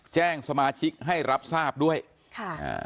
แจ้งสมาชิกให้รับทราบด้วยค่ะอ่า